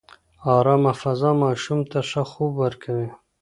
ارامه فضا ماشوم ته ښه خوب ورکوي.